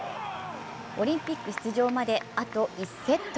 オリンピック出場まで、あと１セット。